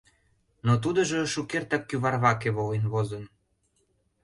но тудыжо шукертак кӱварваке волен возын.